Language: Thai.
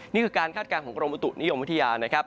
นี่คือการคาดการณ์ของกรมอุตุนิยมวิทยานะครับ